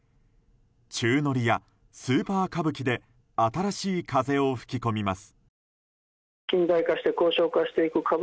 宙乗りやスーパー歌舞伎で新しい風を吹き込みます。